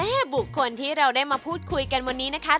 บุคคลที่เราได้มาพูดคุยกันวันนี้นะคะ